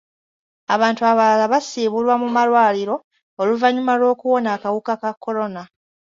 Abantu abalala basiibulwa mu malwaliro oluvannyuma lw'okuwona akawuka ka kolona.